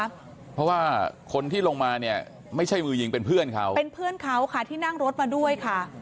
เพราะว่าคนที่ลงมาเนี่ยไม่ใช่มือยิงเป็นเพื่อนเขาเป็นเพื่อนเขาค่ะที่นั่งรถมาด้วยค่ะ